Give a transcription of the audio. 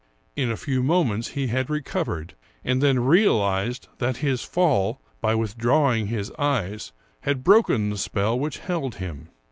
In a few moments he had recovered, and then realized that his fall, by withdrawing his eyes, had broken the spell which held him.